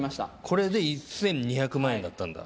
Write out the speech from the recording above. これで１２００万円だったんだ。